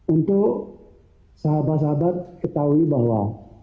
untuk sahabat sahabat ketahui bahwa